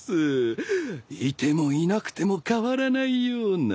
いてもいなくても変わらないような。